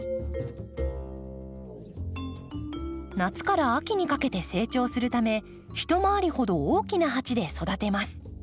夏から秋にかけて成長するため一回りほど大きな鉢で育てます。